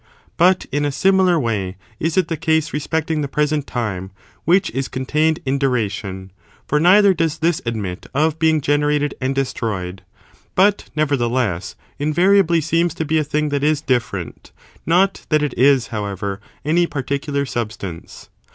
But, in a similar way, is it the case respecting the present time, which is contained in duration; for neither does this admit of being generated and destroyed, but, never theless, invariably seems to be a thing that is different, not that it is, however, any particular substance.